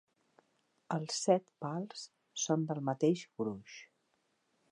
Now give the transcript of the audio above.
Els set pals són del mateix gruix.